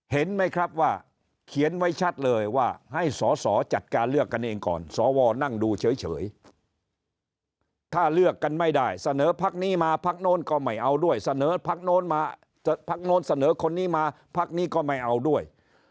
เห็นไหมครับว่าเขียนไว้ชัดเลยว่าให้สอสอจัดการเลือกกันเองก่อนสวนั่งดูเฉยถ้าเลือกกันไม่ได้เสนอพักนี้มาพักโน้นก็ไม่เอาด้วยเสนอพักโน้นมาพักโน้นเสนอคนนี้มาพักนี้ก็ไม่เอาด้วย